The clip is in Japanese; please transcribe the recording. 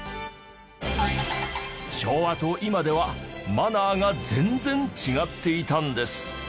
昭和と今ではマナーが全然違っていたんです。